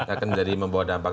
akan jadi membawa dampak